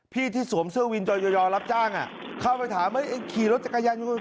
พี่ที่สวมเสื้อวินจอยยอร์รับจ้างอ่ะเข้าไปถามเฮ้ยไอ้ขี่รถจักรยาน